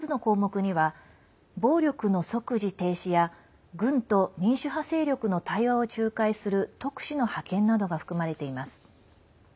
シンガポールＣＮＡが報じていた５つの項目には暴力の即時停止や軍と民主派勢力の対話を仲介する特使の派遣などが含まれています。